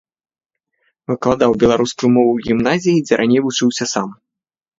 Выкладаў беларускую мову ў гімназіі, дзе раней вучыўся сам.